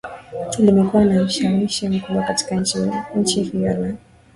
limekuwa na ushawishi mkubwa katika nchi hiyo na